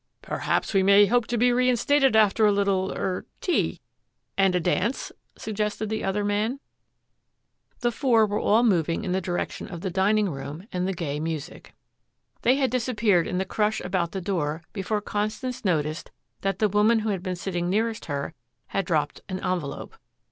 "Perhaps we may hope to be reinstated after a little er tea and a dance?" suggested the other man. The four were all moving in the direction of the dining room and the gay music. They had disappeared in the crush about the door before Constance noticed that the woman who had been sitting nearest her had dropped an envelope.